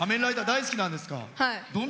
大好きなんですか。